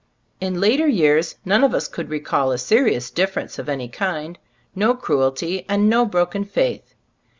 In later years none of us could recall a serious difference of any kind, no cruelty and no broken faith.